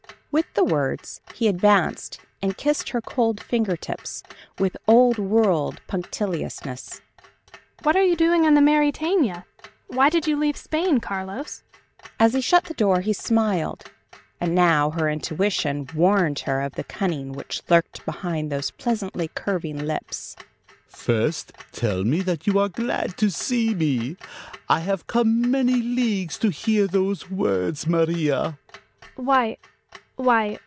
With the words he advanced and kissed her cold finger tips with Old World punctiliousness. "What are you doing on the Mauretania? Why did you leave Spain, Carlos?" As he shut the door he smiled, and now her intuition warned her of the cunning which lurked behind those pleasantly curving lips. "First tell me that you are glad to see me! I have come many leagues to hear those words, Maria!" "Why.... Why